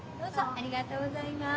ありがとうございます。